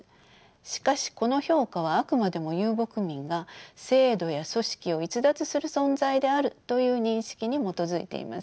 しかしこの評価はあくまでも遊牧民が制度や組織を逸脱する存在であるという認識に基づいています。